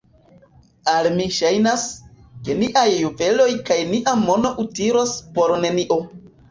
Al mi ŝajnas, ke niaj juveloj kaj nia mono utilos por nenio.